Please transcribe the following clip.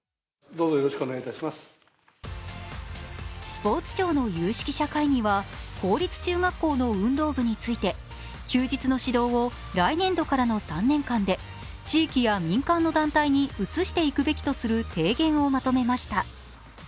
スポーツ庁の有識者会議は公立中学校の運動部について休日の指導を来年度からの３年間で地域や民間の団体に移していくべきとする提言をまとめました。